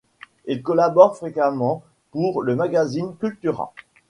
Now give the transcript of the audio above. Il collabore fréquemment pour le magazine Kultura.